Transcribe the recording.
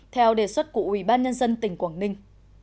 theo đề xuất của ubnd tỉnh quảng ninh